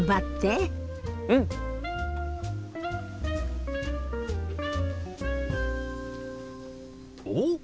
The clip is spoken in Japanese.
うん！おっ！